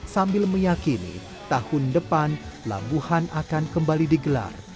sambil meyakini tahun depan labuhan akan kembali digelar